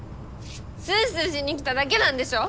スースーしに来ただけなんでしょ！？